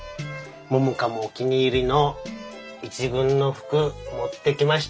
桃香もお気に入りの一軍の服持ってきました！